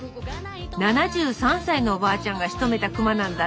７３歳のおばあちゃんがしとめた熊なんだって。